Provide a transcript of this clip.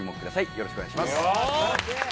よろしくお願いします